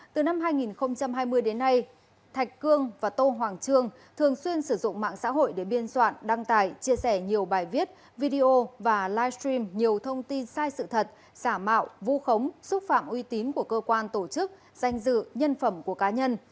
từ năm hai nghìn hai mươi đến nay thạch cương và tô hoàng trương thường xuyên sử dụng mạng xã hội để biên soạn đăng tải chia sẻ nhiều bài viết video và live stream nhiều thông tin sai sự thật giả mạo vu khống xúc phạm uy tín của cơ quan tổ chức danh dự nhân phẩm của cá nhân